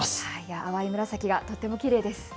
淡い紫がとてもきれいです。